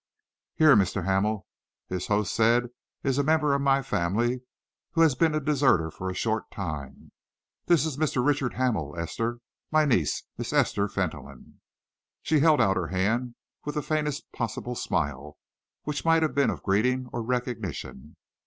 "Here, Mr. Hamel," his host said, "is a member of my family who has been a deserter for a short time. This is Mr. Richard Hamel, Esther; my niece, Miss Esther Fentolin." She held out her hand with the faintest possible smile, which might have been of greeting or recognition.